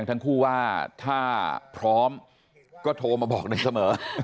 ทั้งคู่ว่าถ้าพร้อมก็โทรมาบอกได้เสมอ